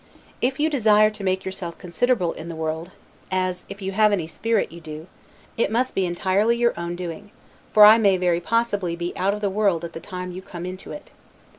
If you desire to make yourself considerable in the world (as, if you have any spirit, you do), it must be entirely your own doing; for I may very possibly be out of the world at the time you come into it.